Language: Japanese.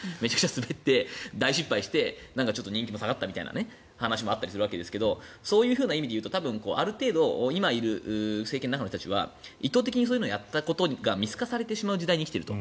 滑って、大失敗して人気も下がったみたいな話もあったりするわけですけどそういう意味で言うとある程度、今いる政権の人たちは意図的にそういうことをやったことが見透かされてしまう時代に生きていると。